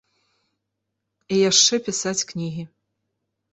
І яшчэ пісаць кнігі.